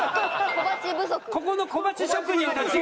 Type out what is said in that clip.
ここの小鉢職人たちが。